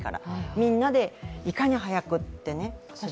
みんなでいかに速くって。